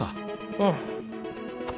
うん。